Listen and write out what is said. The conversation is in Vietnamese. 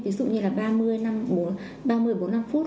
ví dụ như ba mươi bốn mươi năm phút